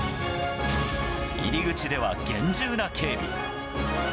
入り口では厳重な警備。